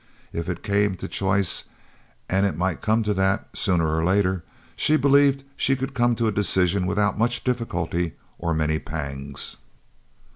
If it came to choice and it might come to that, sooner or later she believed she could come to a decision without much difficulty or many pangs.